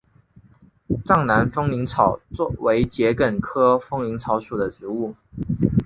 藏南风铃草为桔梗科风铃草属的植物。